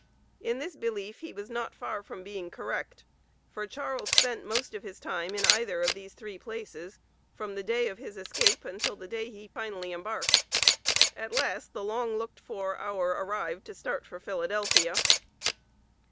In this belief he was not far from being correct, for Charles spent most of his time in either of these three places, from the day of his escape until the day that he finally embarked. At last, the long looked for hour arrived to start for Philadelphia.